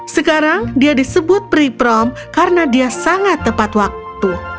sekarang dia disebut preprom karena dia sangat tepat waktu